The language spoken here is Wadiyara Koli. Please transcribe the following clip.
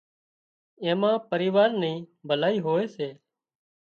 اين مان پريوار نِي ڀلائي هوئي سي